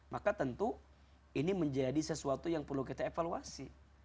maka tentu ini menjadi sesuatu yang perlu kita evaluasi